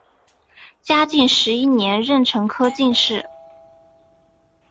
嘉靖十一年壬辰科进士。